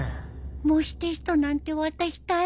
もしテストなんて渡したら